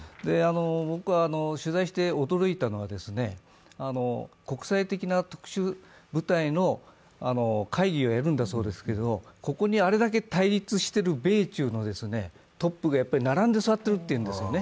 僕は取材して驚いたのは、国際的な特殊部隊の会議をやるんだそうですけれども、ここにあれだけ対立している米中のトップが並んで座っているというんですね。